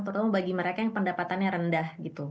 terutama bagi mereka yang pendapatannya rendah